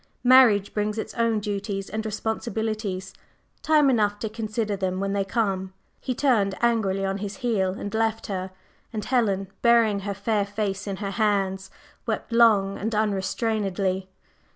Marriage brings its own duties and responsibilities, time enough to consider them when they come." He turned angrily on his heel and left her, and Helen, burying her fair face in her hands, wept long and unrestrainedly.